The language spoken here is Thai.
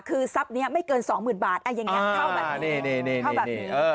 คือทรัพย์นี้ไม่เกิน๒๐๐๐๐๐บาทอย่างนี้เข้าแบบนี้